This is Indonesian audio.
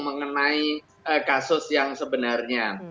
mengenai kasus yang sebenarnya